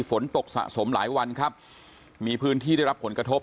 ฝนตกสะสมหลายวันครับมีพื้นที่ได้รับผลกระทบ